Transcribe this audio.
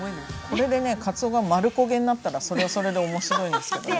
これでねかつおが丸焦げになったらそれはそれで面白いんですけどね。